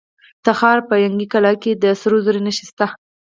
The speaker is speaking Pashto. د تخار په ینګي قلعه کې د سرو زرو نښې شته.